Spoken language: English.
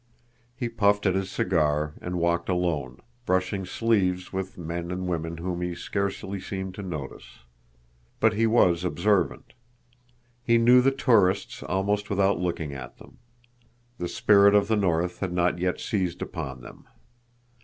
He puffed at his cigar and walked alone, brushing sleeves with men and women whom he scarcely seemed to notice. But he was observant. He knew the tourists almost without looking at them. The spirit of the north had not yet seized upon them.